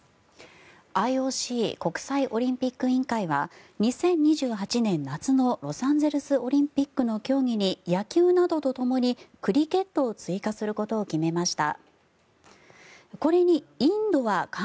ＩＯＣ・国際オリンピック委員会は２０２８年夏のロサンゼルスオリンピックの競技に野球などとともにクリケットを追加することを決めました。